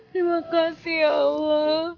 terima kasih ya allah